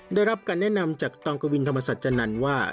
ได้รับการแนะนำจากตองกวินธรรมศัตริย์จันนั้นว่า